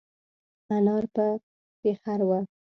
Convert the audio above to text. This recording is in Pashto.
انار په پېخر وه.